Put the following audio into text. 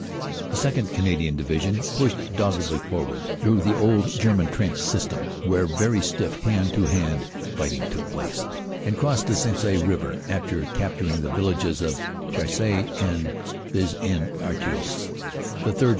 "The 2nd. Canadian Division pushed doggedly forward through the old German trench system, where very stiff hand to hand fighting took place, and crossed the Sensee river, after capturing the villages of Cherisy and Vis en Artois. "The 3rd.